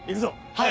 はい！